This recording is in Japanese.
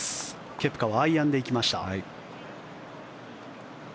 ケプカはアイアンで行きました。